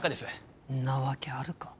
んなわけあるか。